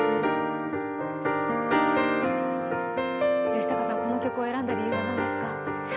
吉高さん、この曲を選んだ理由はなんですか？